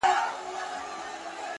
خو څو ستوري په گردو کي را ايسار دي”